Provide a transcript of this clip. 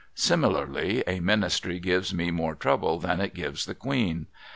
' Similarly a ministry gives me more trouble than it gives the Queen.